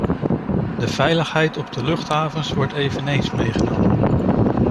De veiligheid op de luchthavens wordt eveneens meegenomen.